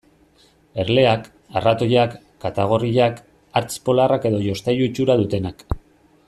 Erleak, arratoiak, katagorriak, hartz polarrak edo jostailu itxura dutenak.